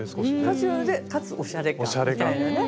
カジュアルでかつおしゃれ感みたいなね。